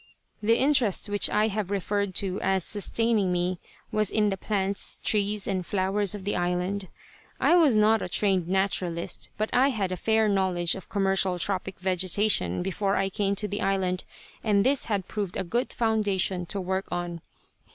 The interest which I have referred to as sustaining me was in the plants, trees and flowers of the island. I was not a trained naturalist, but I had a fair knowledge of commercial tropic vegetation before I came to the island, and this had proved a good foundation to work on.